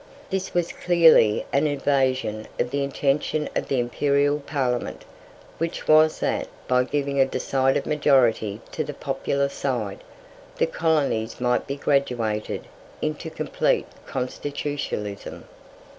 This was clearly an evasion of the intention of the Imperial Parliament, which was that, by giving a decided majority to the popular side, the colonies might be graduated into complete constitutionalism.